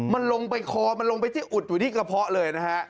มันลงไปคอมันลงไปที่อุดอยู่ที่กระเพาะเลยนะฮะ